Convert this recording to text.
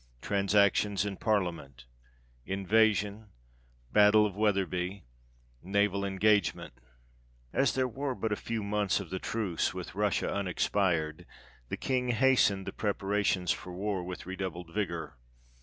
Transactions in Parliament. Invasion. Battle of Wetherby. Naval engagement. As there were but a few months of the truce with Russia unexpired, the King hastened the preparations for war with redoubled vigour.